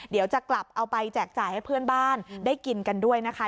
เดี๋ยวจะกลับเอาไปแจกจ่ายให้เพื่อนบ้านได้กินกันด้วยนะคะ